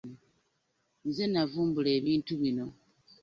Nze navumbula ebintu bino.